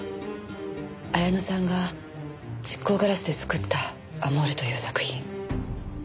彩乃さんが蓄光ガラスで作った『アモーレ』という作品。